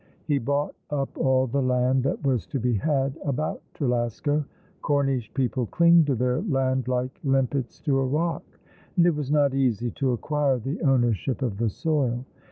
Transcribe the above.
He bought up all the land that was to be had about Trelasco. Cornish people cling to their land like limpets to a rock ; and it was not easy to acquire the owner ship of the soil.